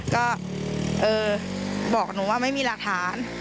ก็บอกหนูว่าไม่มีหลักฐาน